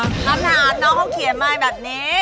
น้ำหนานน้องเขาเขียนไม้แบบนี้